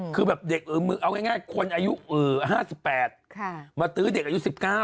คือแบบเด็กเอาง่ายคนอายุ๕๘มาตื้อเด็กอายุ๑๙